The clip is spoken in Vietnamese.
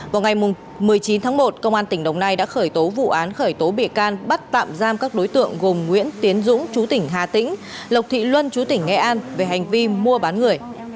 vào ngày một mươi chín tháng một công an tỉnh đồng nai đã khởi tố vụ án khởi tố bị can bắt tạm giam các đối tượng gồm nguyễn tiến dũng chú tỉnh hà tĩnh lộc thị luân chú tỉnh nghệ an về hành vi mua bán người